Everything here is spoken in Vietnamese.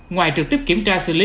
ngoài trực tiếp kiểm tra xử lý